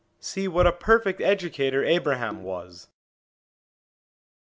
See what a perfect educator Abraham was